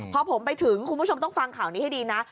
พอผมไปถึงคุณผู้ชมต้องฟังข่าวนี้ให้ดีนะ